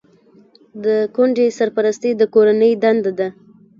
د کونډې سرپرستي د کورنۍ دنده ده.